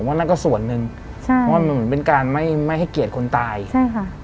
นั่นก็ส่วนหนึ่งใช่เพราะมันเหมือนเป็นการไม่ไม่ให้เกียรติคนตายใช่ค่ะ